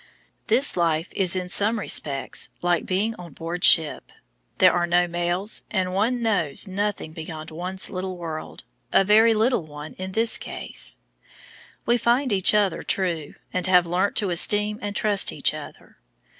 This life is in some respects like being on board ship there are no mails, and one knows nothing beyond one's little world, a very little one in this case. We find each other true, and have learnt to esteem and trust each other.